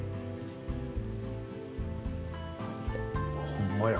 ほんまや。